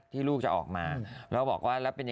ที่ลูกจะออกมาแล้วบอกว่า